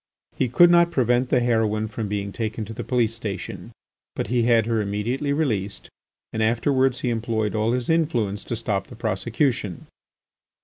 He could not prevent the heroine from being taken to the police station; but he had her immediately released and afterwards he employed all his influence to stop the prosecution.